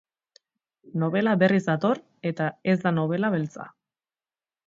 Nobela berriz dator, eta ez da nobela beltza.